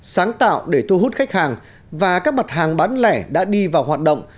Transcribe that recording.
sáng tạo để thu hút khách hàng và các mặt hàng bán lẻ đã đi vào hoạt động